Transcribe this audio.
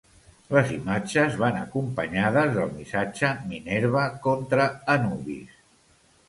Les imatges van acompanyades del missatge ‘Minerva contra Anubis’.